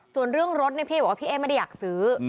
ส่วนเรื่องรถเนี่ยพี่บอกว่าพี่เอ๊ไม่ได้อยากซื้อ